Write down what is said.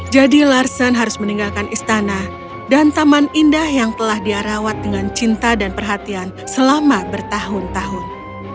jadi larsen harus meninggalkan istana dan taman indah yang telah dia rawat dengan cinta dan perhatian selama bertahun tahun